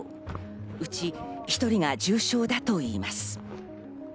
うち１人が重傷だといいます。